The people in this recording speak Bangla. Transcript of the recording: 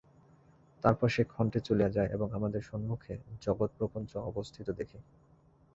তারপর সেই ক্ষণটি চলিয়া যায় এবং আমাদের সম্মুখে জগৎপ্রপঞ্চ অবস্থিত দেখি।